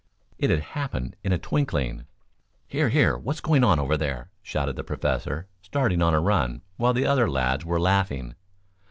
It had happened in a twinkling. "Here, here! What's going on over there?" shouted the Professor, starting on a run, while the other lads were laughing.